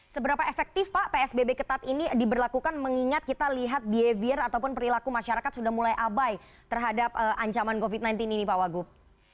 seberapa efektif pak psbb ketat ini diberlakukan mengingat kita lihat behavior ataupun perilaku masyarakat sudah mulai abai terhadap ancaman covid sembilan belas ini pak wagub